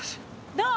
どう？